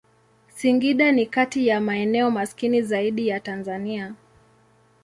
Singida ni kati ya maeneo maskini zaidi ya Tanzania.